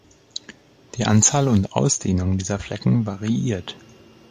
Die Anzahl und Ausdehnung dieser Flecken variiert.